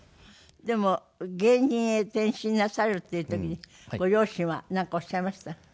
でも芸人へ転身なさるっていう時にご両親はなんかおっしゃいました？